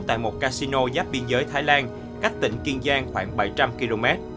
tại một casino giáp biên giới thái lan cách tỉnh kiên giang khoảng bảy trăm linh km